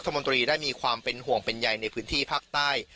บุรุกรัฐมนตรีได้มีความเป็นห่วงเป็นใยในพื้นที่พรรคใต้